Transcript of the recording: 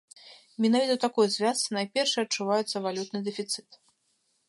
Менавіта ў такой звязцы найперш і адчуваецца валютны дэфіцыт.